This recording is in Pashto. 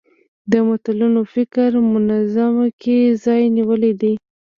د ملتونو فکري منظومه کې ځای نیولی دی